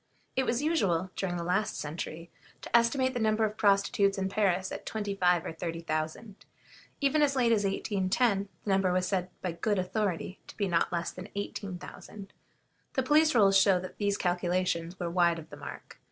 It was usual, during the last century, to estimate the number of prostitutes in Paris at twenty five or thirty thousand. Even as late as 1810, the number was said by good authority to be not less than eighteen thousand. The police rolls show that these calculations were wide of the mark.